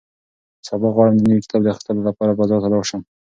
سبا غواړم د نوي کتاب د اخیستلو لپاره بازار ته لاړ شم.